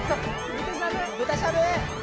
豚しゃぶ！